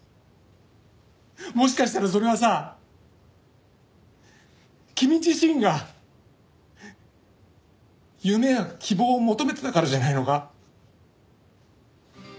もしかしたらそれはさ君自身が夢や希望を求めてたからじゃないのか？